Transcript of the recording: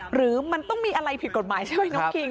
หรือมันต้องมีอะไรผิดกฎหมายใช่ไหมน้องคิง